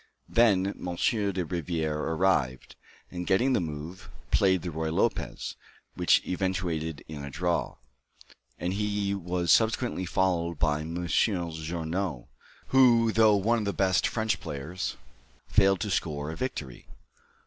Then M. de Rivière arrived, and getting the move, played the Ruy Lopez, which eventuated in "a draw;" and he was subsequently followed by M. Journoud, who, though one of the best French players, failed to score a victory.